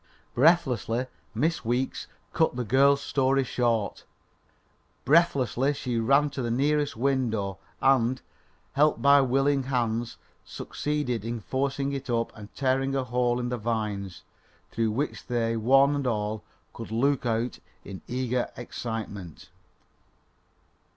Breathlessly Miss Weeks cut the girl's story short; breathlessly she rushed to the nearest window, and, helped by willing hands, succeeded in forcing it up and tearing a hole in the vines, through which they one and all looked out in eager excitement.